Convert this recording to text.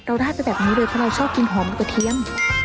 ได้ไปแบบนี้เลยเพราะเราชอบกินหอมกระเทียม